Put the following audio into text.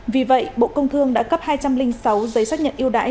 vì vậy bộ công thương đã cấp hai trăm linh sáu giấy xác nhận yêu đãi